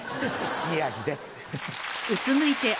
宮治です。